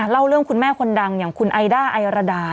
เล่าเรื่องคุณแม่คนดังอย่างคุณไอด้าไอรดา